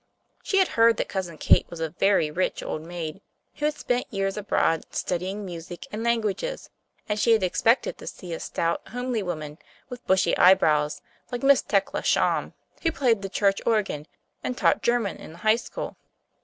She had heard that Cousin Kate was a very rich old maid, who had spent years abroad, studying music and languages, and she had expected to see a stout, homely woman with bushy eyebrows, like Miss Teckla Schaum, who played the church organ, and taught German in the High School.